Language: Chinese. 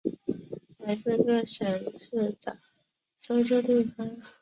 来自各县市的搜救团队